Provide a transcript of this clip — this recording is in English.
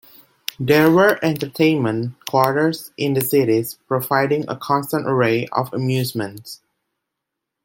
There were entertainment quarters in the cities providing a constant array of amusements.